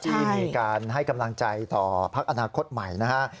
ที่มีการให้กำลังใจต่อพักอนาคตใหม่นะฮะ